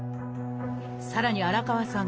さらに荒川さん